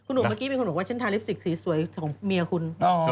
หนุ่มเมื่อกี้มีคนบอกว่าฉันทาลิปสิกสีสวยของเมียคุณ